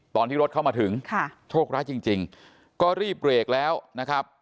ตอนที่รถเข้ามาถึงค่ะโชคร้ายจริงจริงก็รีบเบรกแล้วนะครับ